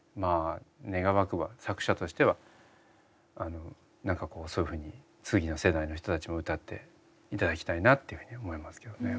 願わくば作者としては何かこうそういうふうに次の世代の人たちも歌って頂きたいなっていうふうに思いますけどね。